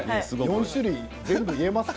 ４種類全部、言えましたか？